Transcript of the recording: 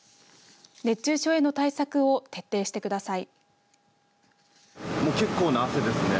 熱中症への対策を徹底してください。